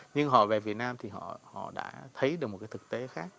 nhưng họ về việt nam thì họ đã thấy được một cái thực tế khác